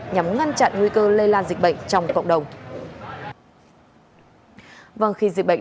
nhằm ngăn chặn nguy cơ lây lan dịch bệnh